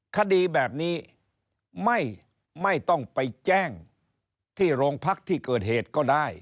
คดีแบบนี้ไม่ต้องไปแจ้งที่โรงพักที่เกิดเหตุก็ได้